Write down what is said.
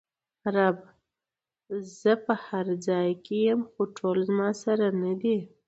رب: زه په هر ځای کې ېم خو ټول زما سره ندي!